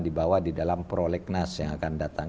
dibawa di dalam prolegnas yang akan datang